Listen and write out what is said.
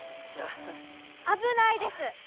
危ないです！